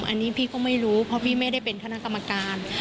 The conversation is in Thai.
อันนี้พี่ก็ไม่รู้เพราะพี่ไม่ได้เป็นคณะกรรมการ